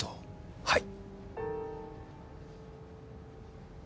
はい。